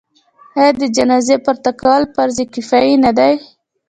آیا د جنازې پورته کول فرض کفایي نه دی؟